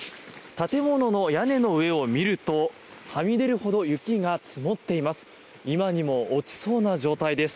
建物の屋根の上を見るとはみ出るほど雪が積もっています。